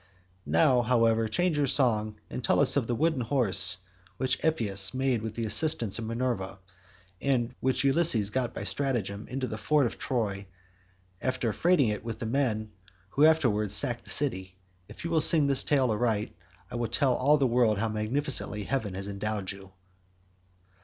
Now, however, change your song and tell us of the wooden horse which Epeus made with the assistance of Minerva, and which Ulysses got by stratagem into the fort of Troy after freighting it with the men who afterwards sacked the city. If you will sing this tale aright I will tell all the world how magnificently heaven has endowed you."